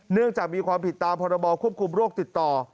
เนื่องจากมีความผิดตามพรบควบคุมโรคติดต่อ